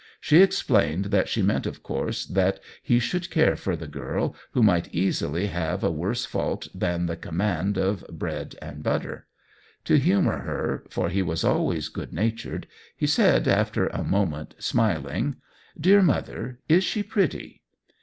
She explained that she meant of course that he should care for the girl, who might easily have a worse J2 THE WHEEL OF TIME f;iult than the command of bread and butter, 'i'o humor her, for he was always good natured, he said, after a moment, smiling :" Dear mother, is she pretty?"